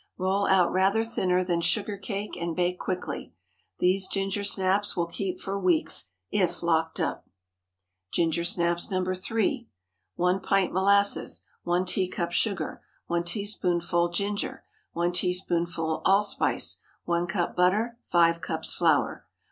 Roll out rather thinner than sugar cakes, and bake quickly. These ginger snaps will keep for weeks, if locked up. GINGER SNAPS (No. 3.) 1 pint molasses. 1 teacup sugar. 1 teaspoonful ginger. 1 teaspoonful allspice. 1 cup butter. 5 cups flour.